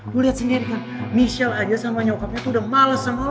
lo liat sendiri kan michelle aja sama nyokapnya udah males sama lo